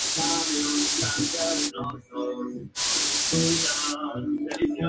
Mostrándose por primera vez en el Festival Internacional de Arte de Galway en Irlanda.